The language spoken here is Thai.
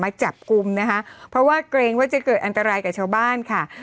จับกลุ่มนะคะเพราะว่าเกรงว่าจะเกิดอันตรายกับชาวบ้านค่ะ